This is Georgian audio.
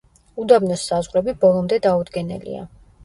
უდაბნოს საზღვრები ბოლომდე დაუდგენელია.